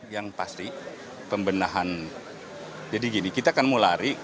yang pasti pembenahan jadi gini kita akan mau lari